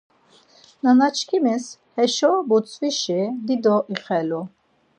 Nanaçkimis heşo butzvişi dido ixelu.